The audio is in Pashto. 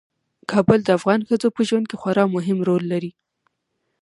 کابل د افغان ښځو په ژوند کې خورا مهم رول لري.